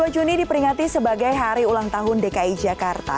dua puluh juni diperingati sebagai hari ulang tahun dki jakarta